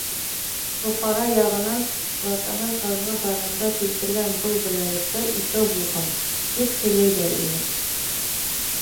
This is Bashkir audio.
Бохара яғынан, олатаһы хажға барғанда килтергән был беләҙектәр икәү булған, тип һөйләйҙәр ине.